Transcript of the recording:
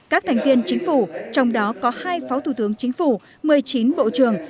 các thành viên chính phủ trong đó có hai phó thủ tướng chính phủ một mươi chín bộ trưởng